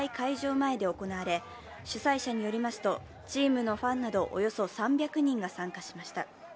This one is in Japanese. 前で行われ、主催者によりますと、チームのファンなどおよそ３００人が参加しました。